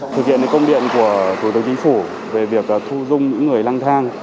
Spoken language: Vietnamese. thực hiện công điện của thủ tướng chính phủ về việc thu dung những người lang thang